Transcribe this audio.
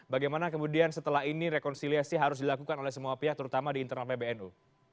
bagaimana kemudian setelah ini rekonsiliasi harus dilakukan oleh semua pihak terutama di internal pbnu